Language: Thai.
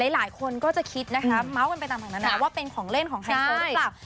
หลายคนก็จะคิดนะคะเมาส์กันไปต่างนานาว่าเป็นของเล่นของไฮโซหรือเปล่า